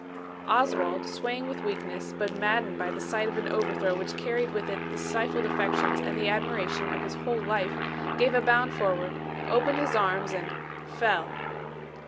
Oswald, swaying with weakness, but maddened by the sight of an overthrow which carried with it the stifled affections and the admiration of his whole life, gave a bound forward, opened his arms and fell.